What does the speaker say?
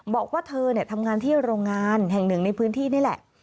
บอกว่าเธอทำงานที่โรงงานแห่งหนึ่งในพื้นที่นี่แหละ